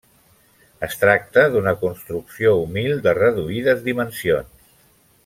Es tracta d'una construcció humil, de reduïdes dimensions.